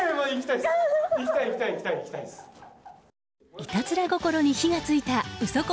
いたずら心に火が付いた「ウソ婚」